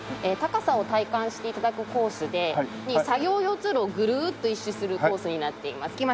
高さを体感して頂くコースで作業用通路をぐるっと１周するコースになっています。